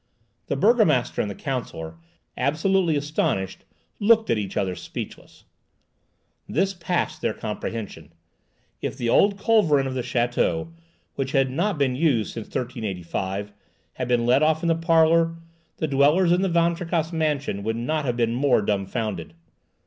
The burgomaster and the counsellor, absolutely astounded, looked at each other speechless. This passed their comprehension. If the old culverin of the château, which had not been used since 1385, had been let off in the parlour, the dwellers in the Van Tricasse mansion would not have been more dumbfoundered.